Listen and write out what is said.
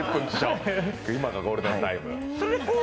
今がゴールデンタイム。